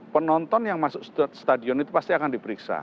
penonton yang masuk stadion itu pasti akan diperiksa